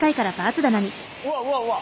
うわうわうわ！